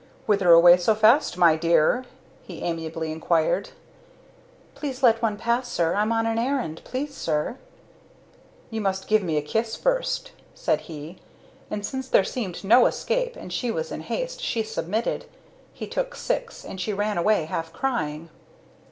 "Whither away so fast, my dear?" he amiably inquired. "Please let one pass, sir! I'm on an errand. Please, sir?" "You must give me a kiss first!" said he and since there seemed no escape and she was in haste, she submitted. He took six and she ran away half crying.